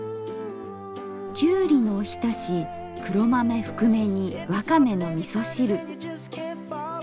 「きゅうりのおひたし」「黒豆ふくめ煮」「わかめのみそ汁」。